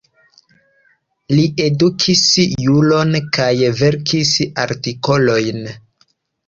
Li edukis juron kaj verkis artikolojn.